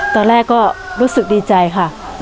ตอนแรกก็รู้สึกดีใจค่ะ